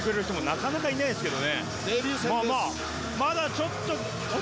なかなかいないですけどね。